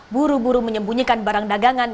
buru buru menyembunyikan barang dagangan